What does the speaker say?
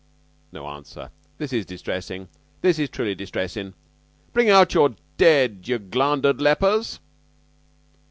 No answer. This is distressin'. This is truly distressin'. Bring out your dead, you glandered lepers!"